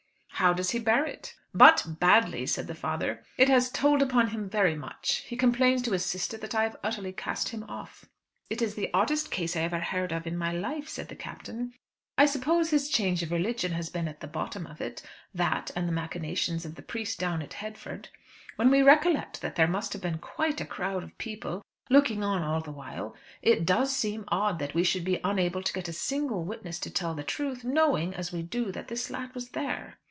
"How does he bear it?" "But badly," said the father. "It has told upon him very much. He complains to his sister that I have utterly cast him off." "It is the oddest case I ever heard of in my life," said the Captain. "I suppose his change of religion has been at the bottom of it that and the machinations of the priest down at Headford. When we recollect that there must have been quite a crowd of people looking on all the while, it does seem odd that we should be unable to get a single witness to tell the truth, knowing, as we do, that this lad was there.